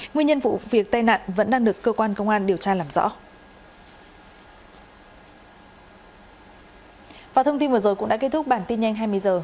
nguyên nhân vụ việc tai nạn vẫn đang được cơ quan công an điều tra làm rõ